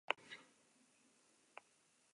Hortik aurrera ez dakigu ezer.